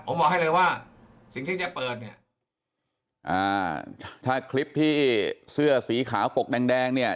ผมบอกให้เลยว่าสิ่งที่จะเปิดเนี่ยอ่าถ้าคลิปที่เสื้อสีขาวปกแดงแดงเนี่ย